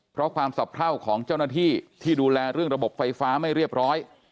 เพราะความสะเพราของเจ้าหน้าที่ที่ดูแลเรื่องระบบไฟฟ้าไม่เรียบร้อย